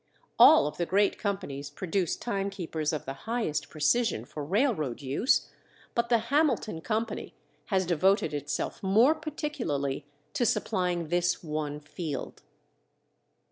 All of the great companies produce timekeepers of the highest precision for railroad use, but the Hamilton Company has devoted itself more particularly to supplying this one field.